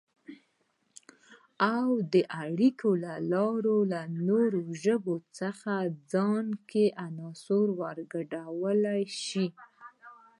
او د اړیکو له لارې له نورو ژبو څخه ځان کې عناصر ورګډولای شي